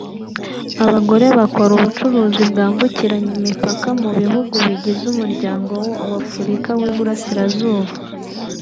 Abagore bakora ubucuruzi bwambukiranya imipaka mu bihugu bigize Umuryango w’Afurika y’Iburasirazuba